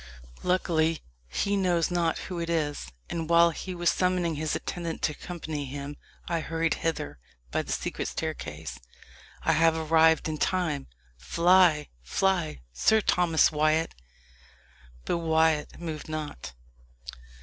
Luckily, he knows not who it is, and while he was summoning his attendants to accompany him, I hurried hither by the secret staircase. I have arrived in time. Fly fly! Sir Thomas Wyat!" But Wyat moved not.